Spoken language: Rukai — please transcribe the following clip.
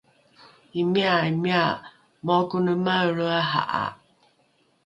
imia imia moa kone maelre aha’a